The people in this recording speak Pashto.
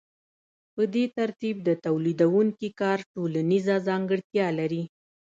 په دې ترتیب د تولیدونکي کار ټولنیزه ځانګړتیا لري